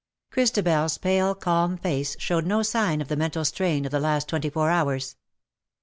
ChristabeFs pale calm face showed no sign of the mental strain of the last twenty four hours.